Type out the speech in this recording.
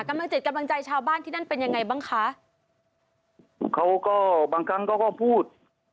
จิตกำลังใจชาวบ้านที่นั่นเป็นยังไงบ้างคะเขาก็บางครั้งเขาก็พูด